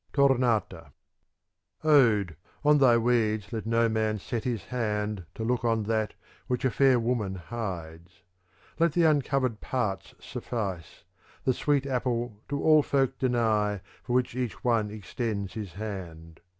'■ 1 '. Tomata Ode, on thy weeds let no man set his hand to look on that which a fair woman hides ; let the uncovered parts suffice, the sweet apple to all folk deny for which each one extends his hand.